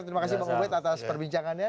terima kasih bang ubed atas perbincangannya